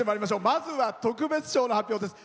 まずは、特別賞の発表です。